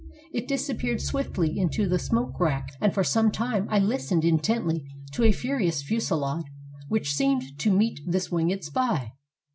It disappeared swiftly into the smoke wrack, and for some time I listened intently to a furious fusillade which seemed to meet this winged spy.